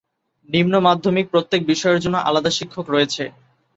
নিম্ন মাধ্যমিক প্রত্যেক বিষয়ের জন্য আলাদা শিক্ষক রয়েছে।